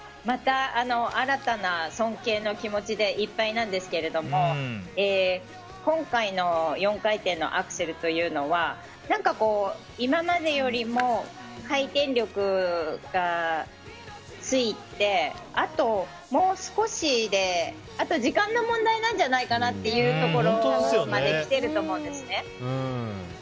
また新たな尊敬の気持ちでいっぱいなんですけれども今回の４回転のアクセルというのは何か今までよりも回転力がついてあともう少しで時間の問題なんじゃないかなというところまできていると思うんですね。